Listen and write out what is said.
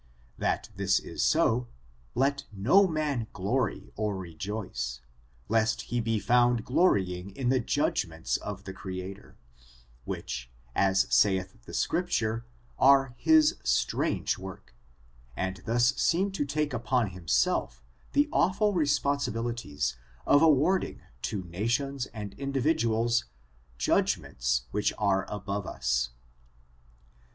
That this is so, let no man glory or rejoice, lest he be found glorying in the judgments of the Creator, which, as saith the Scripture, are his strange work, and thus seem to take upon himself the awful responsibilities of award ing to nations and individuals judgments which are above us.